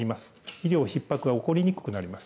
医療ひっ迫は起こりにくくなります。